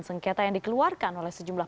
sengketa yang dikeluarkan oleh sejumlah